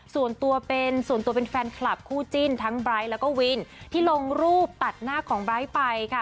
ส่วนตัวเป็นส่วนตัวเป็นแฟนคลับคู่จิ้นทั้งไบร์ทแล้วก็วินที่ลงรูปตัดหน้าของไบร์ทไปค่ะ